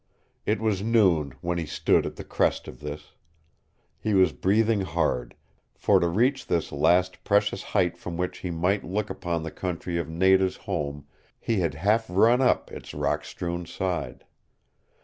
It was noon when he stood at the crest of this. He was breathing hard, for to reach this last precious height from which he might look upon the country of Nada's home he had half run up its rock strewn side.